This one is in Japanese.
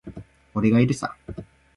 俺がいるさ。